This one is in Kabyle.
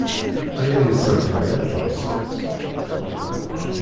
Aya yesserfay aṭas.